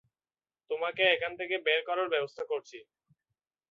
তোমাকে এখান থেকে বের করার ব্যবস্থা করছি!